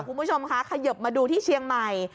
คุณผู้ชมคะขยบมาดูที่เชียงใหม่